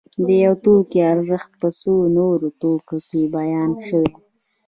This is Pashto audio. د یو توکي ارزښت په څو نورو توکو کې بیان شوی